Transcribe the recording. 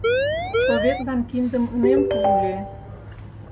Советлан киндым ынем пу ыле.